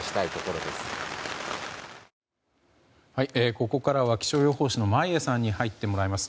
ここからは気象予報士の眞家さんに入ってもらいます。